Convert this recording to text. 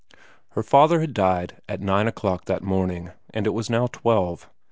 Her father had died at nine o'clock that morning, and it was now twelve.